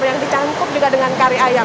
yang dicangkuk juga dengan kari asam